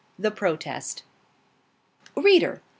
THE PROTEST. READER!